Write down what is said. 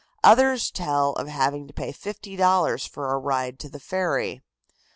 Others tell of having to pay $50 for a ride to the ferry.